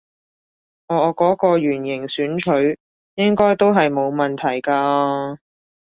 我嗰個圓形選取應該都係冇問題嘅啊